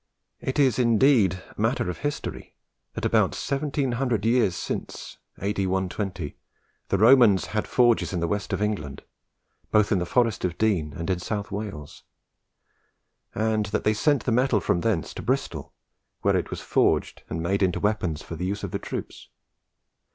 It is indeed matter of history, that about seventeen hundred years since (A.D. 120) the Romans had forges in the West of England, both in the Forest of Dean and in South Wales; and that they sent the metal from thence to Bristol, where it was forged and made into weapons for the use of the troops.